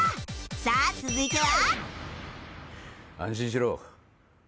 さあ続いては